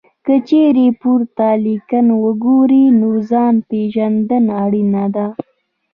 که چېرې پورته لیکنه وګورئ، نو ځان پېژندنه اړینه ده.